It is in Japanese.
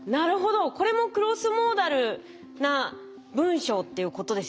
これもクロスモーダルな文章っていうことですよね。